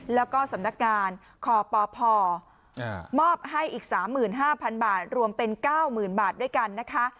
แล้วก็สำนักงานคปพมอบให้อีก๓๕๐๐๐บาทรวมเป็น๙๐๐บาทด้วยกันนะคะ